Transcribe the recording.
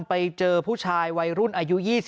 ไปเจอผู้ชายวัยรุ่นอายุ๒๓